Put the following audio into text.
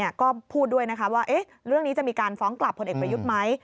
ก็พูดด้วยนะคะว่าเรื่องนี้จะมีการฟ้องกลับพลเอกประยุทธ์ไหม